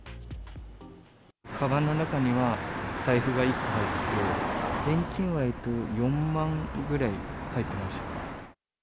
かばんの中には、財布が１個入っていて、現金は４万ぐらい入ってました。